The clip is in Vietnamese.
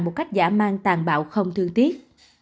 một cách giả mang tàn bạo không thương tiếc